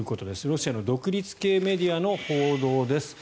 ロシアの独立系メディアの報道です。